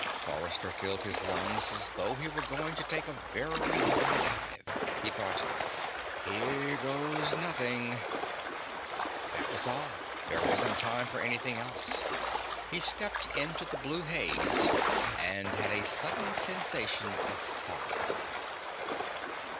Forrester filled his lungs as though he were going to take a very high dive. He thought: Here goes nothing. That was all; there wasn't time for anything else. He stepped into the blue haze, and had a sudden sensation of falling.